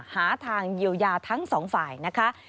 หาทางเยียวยาทั้งสองฝ่ายนะคะ